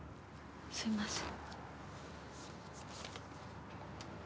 すいません。